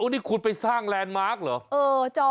นี่คุณไปสร้างแลนด์มาร์คเหรอ